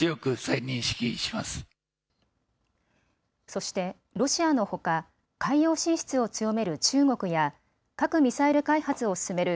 そしてロシアのほか海洋進出を強める中国や核・ミサイル開発を進める